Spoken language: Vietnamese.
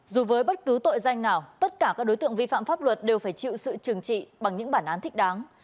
dù với bất cứ tội danh nào tất cả các đối tượng vi phạm pháp luật đều phải chịu sự trừng trị bằng những bản án thích đáng